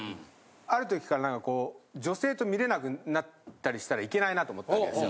あるときから女性と見れなくなったりしたらいけないなと思ったわけですよ。